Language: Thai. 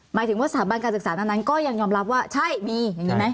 หมายถึงว่าสถาบันการศึกษานั้นก็ยังยอมรับว่าใช่มีอย่างนี้ไหม